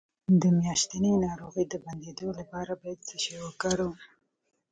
د میاشتنۍ ناروغۍ د بندیدو لپاره باید څه شی وکاروم؟